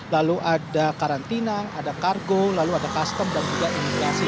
lalu ada karantina ada kargo lalu ada custom dan juga imigrasi